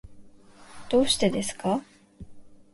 どうしてですか？